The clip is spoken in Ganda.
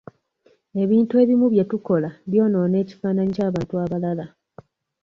Ebintu ebimu bye tukola byonoona ekifaananyi by'abantu abalala.